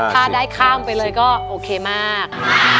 ถ้าได้ข้ามไปเลยก็โอเคมาก